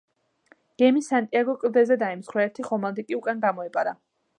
გემი „სანტიაგო“ კლდეზე დაიმსხვრა, ერთი ხომალდი კი უკან გამოეპარა.